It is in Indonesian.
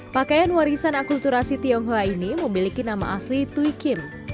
pakaian warisan akulturasi tionghoa ini memiliki nama asli tui kim